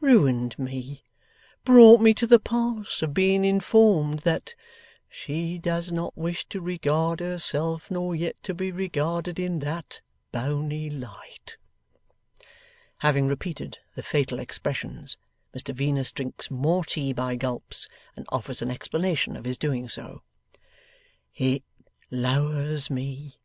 Ruined me. Brought me to the pass of being informed that "she does not wish to regard herself, nor yet to be regarded, in that boney light"!' Having repeated the fatal expressions, Mr Venus drinks more tea by gulps, and offers an explanation of his doing so. 'It lowers me.